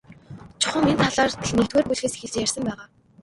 Чухам энэ талаар л нэгдүгээр бүлгээс эхэлж ярьсан байгаа.